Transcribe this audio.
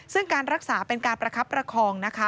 ซึ่งการรักษาเป็นการประคับประคองนะคะ